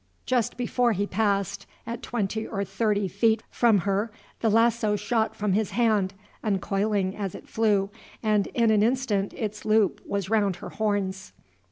Just before he passed, at twenty or thirty feet from her, the lasso shot from his hand, uncoiling as it flew, and in an instant its loop was round her horns.